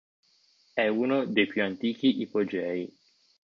È uno dei più antichi ipogei.